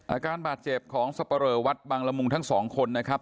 อาการบาดเจ็บของสับปะเลอวัดบังละมุงทั้งสองคนนะครับ